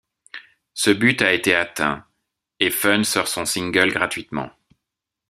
Ce but a été atteint, et Fun sort son single gratuitement.